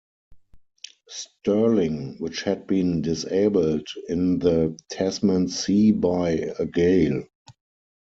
Sterling, which had been disabled in the Tasman Sea by a gale.